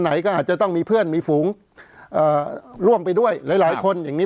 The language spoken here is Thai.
ไหนก็อาจจะต้องมีเพื่อนมีฝูงเอ่อร่วมไปด้วยหลายหลายคนอย่างนี้